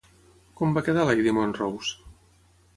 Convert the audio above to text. Com va quedar Lady Montrose?